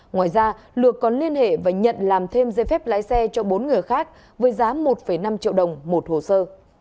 ngoài ra lược còn liên hệ và nhận làm thêm dây phép lái xe cho bốn người khác với giá một năm triệu đồng một hồ sơ